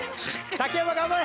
竹山頑張れ！